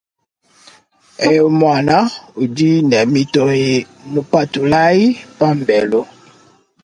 Ewu muana udi ne mitoyi mupatulayi pambelu.